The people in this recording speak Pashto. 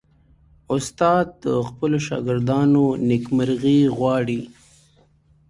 استاد د خپلو شاګردانو نیکمرغي غواړي.